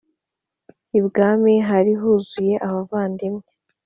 Ibwami hari huzuye abavandimwe.